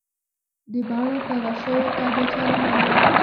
د بڼو په غشیو تا بیچاره ماریا